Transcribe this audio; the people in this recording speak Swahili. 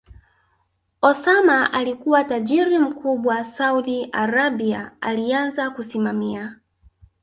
Osama alikua tajiri mkubwa Saudi Arabia alianza kusimamia